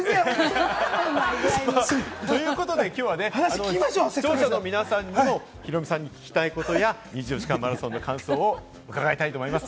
つらいな！ということで、きょうはね、視聴者の皆さんにもヒロミさんに聞きたいことや２４時間マラソンの感想を伺いたいと思います。